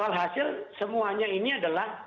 walhasil semuanya ini adalah